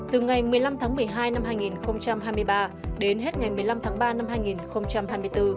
từ ngày một mươi năm tháng một mươi hai năm hai nghìn hai mươi ba đến hết ngày một mươi năm tháng ba năm hai nghìn hai mươi bốn